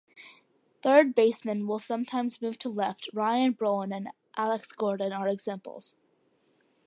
Third basemen will sometimes move to left, Ryan Braun and Alex Gordon are examples.